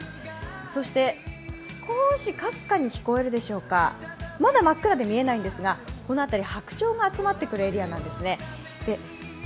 そしてかすかに聞こえるでしょうか、まだまっ暗で見えないんですがこの辺り白鳥が集まってくるエリアなんですね。